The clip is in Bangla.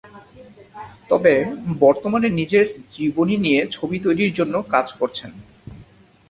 তবে বর্তমানে নিজের জীবনী নিয়ে ছবি তৈরির জন্য কাজ করছেন।